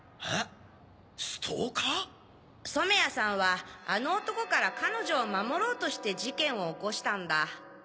染谷さんはあの男から彼女を守ろうとして事件を起こしたんだ。